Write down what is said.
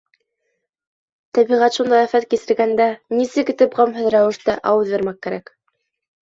Тәбиғәт шундай афәт кисергәндә, нисек итеп ғәмһеҙ рәүештә ауыҙ йырмаҡ кәрәк!